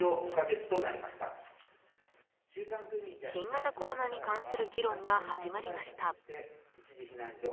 新型コロナに関する議論が始まりました。